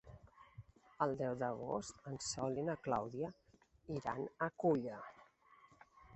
El deu d'agost en Sol i na Clàudia iran a Culla.